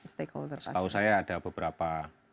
setahu saya ada beberapa